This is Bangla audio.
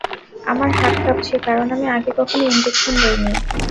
আমার হাত কাঁপছে কারণ আমি আগে কখনো ইনজেকশন দিইনি।